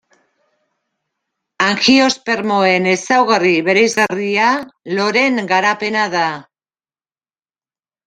Angiospermoen ezaugarri bereizgarria loreen garapena da.